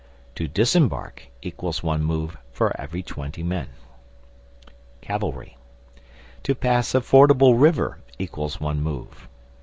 To disembark = one move for every twenty men. Cavalry. To pass a fordable river = one move.